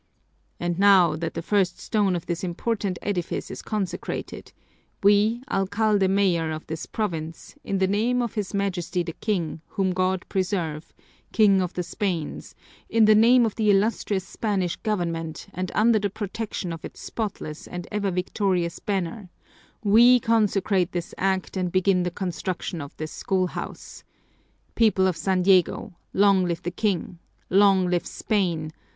"And now that the first stone of this important edifice is consecrated, We, alcalde mayor of this province, in the name of his Majesty the King, whom God preserve, King of the Spains, in the name of the illustrious Spanish government and under the protection of its spotless and ever victorious banner, We consecrate this act and begin the construction of this schoolhouse! People of San Diego, long live the King! Long live Spain!